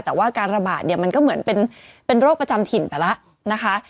แต่ว่าการระบาดเนี่ยมันก็เหมือนเป็นโรคประจำถิ่นไปแล้วนะคะ